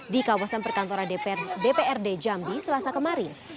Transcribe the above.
di kawasan perkantoran dprd jambi selasa kemarin